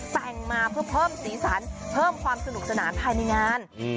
แต่งมาเพื่อเพิ่มสีสันเพิ่มความสนุกสนานภายในงาน